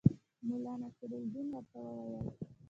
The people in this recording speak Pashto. ملا نصرالدین ورته وویل.